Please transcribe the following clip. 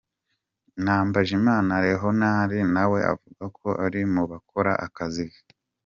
Nambajimana Leonard, na we avuga ko ari mu bakora aka akazi.